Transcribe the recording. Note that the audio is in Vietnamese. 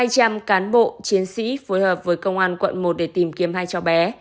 hai trăm linh cán bộ chiến sĩ phối hợp với công an quận một để tìm kiếm hai cháu bé